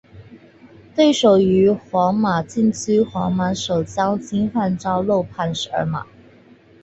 对手于皇马禁区皇马守将侵犯遭漏判十二码。